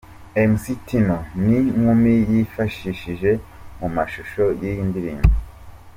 Mc Tino n'inkumi yifashishije mu mashusho y'iyi ndirimbo.